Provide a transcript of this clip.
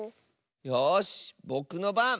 よしぼくのばん！